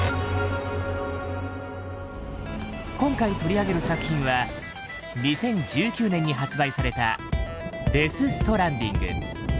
今回取り上げる作品は２０１９年に発売された「デス・ストランディング」。